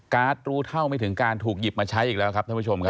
รู้เท่าไม่ถึงการถูกหยิบมาใช้อีกแล้วครับท่านผู้ชมครับ